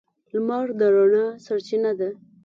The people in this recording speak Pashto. • لمر د رڼا سرچینه ده.